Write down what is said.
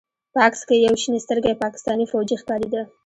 په عکس کښې يو شين سترګى پاکستاني فوجي ښکارېده.